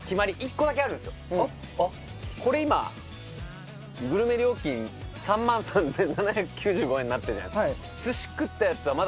これ今グルメ料金３万３７９５円になってるじゃないですか。